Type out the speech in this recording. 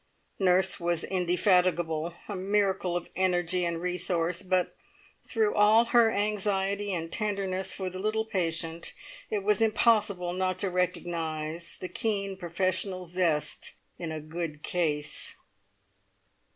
Nurse was indefatigable a miracle of energy and resource but through all her anxiety and tenderness for the little patient, it was impossible not to recognise the keen professional zest in a "good case."